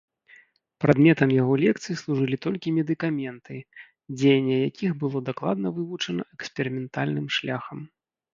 Прадметам яго лекцый служылі толькі медыкаменты, дзеянне якіх было дакладна вывучана эксперыментальным шляхам.